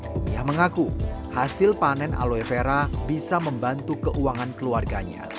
humiyah mengaku hasil panen aloe vera bisa membantu keuangan keluarganya